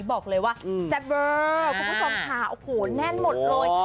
บอกเลยว่าแซ่บเบอร์คุณผู้ชมค่ะโอ้โหแน่นหมดเลย